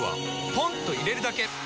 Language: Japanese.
ポンと入れるだけ！